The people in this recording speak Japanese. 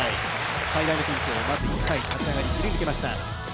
最大のピンチをまず１回、立ち上がり、切り抜けました。